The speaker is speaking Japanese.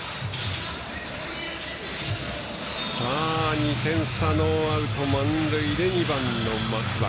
２点差ノーアウト、満塁で２番の松原。